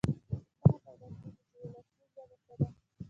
پوښتنه پیدا کېږي چې وولسي ژبه څه ده.